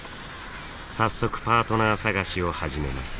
早速パートナー探しを始めます。